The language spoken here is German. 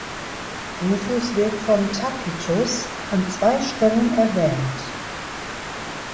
Rufus wird von Tacitus an zwei Stellen erwähnt.